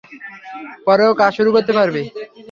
পরেও কাজ শুরু করতে পারবি।